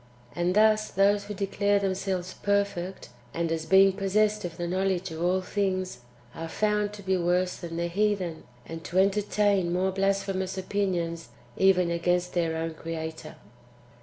And thus those who declare themselves " perfect," and as being possessed of the knowledge of all things, are found to be worse than the heathen, and to entertain more blasphemous opinions even against their own Creator.